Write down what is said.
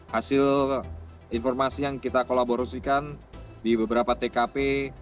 hasil informasi yang kita kolaborasikan di beberapa tkp